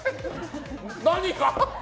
何が？